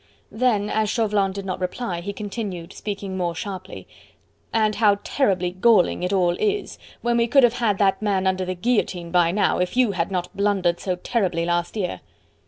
Then as Chauvelin did not reply, he continued, speaking more sharply: "And how terribly galling it all is, when we could have had that man under the guillotine by now, if you had not blundered so terribly last year."